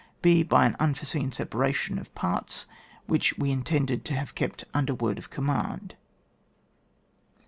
(h) By an unforeseen separation of parts, which we intended to have kept under word of command.